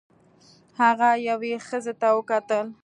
هغه یوې ښځې ته وکتل.